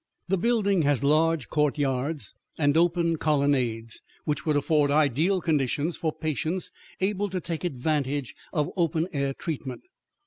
The building has large courtyards and open colonnades, which would afford ideal conditions for patients able to take advantage of open air treatment.